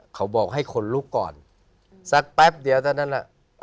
เขาบอกให้คนลุกก่อนสักแป๊บเดียวเท่านั้น